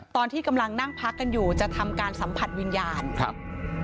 ตอนที่กำลังนั่งพักกันอยู่จะทำการสัมผัสวิญญาณครับ